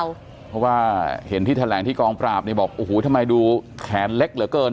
เพราะว่าเห็นที่แถลงที่กองปราบเนี่ยบอกโอ้โหทำไมดูแขนเล็กเหลือเกิน